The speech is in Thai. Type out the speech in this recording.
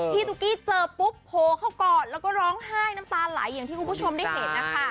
ตุ๊กกี้เจอปุ๊บโพเข้ากอดแล้วก็ร้องไห้น้ำตาไหลอย่างที่คุณผู้ชมได้เห็นนะคะ